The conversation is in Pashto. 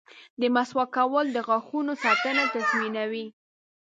• د مسواک کول د غاښونو ساتنه تضمینوي.